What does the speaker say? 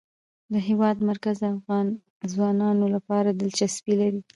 د هېواد مرکز د افغان ځوانانو لپاره دلچسپي لري.